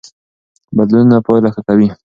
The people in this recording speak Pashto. بدلونونه پایله ښه کوي.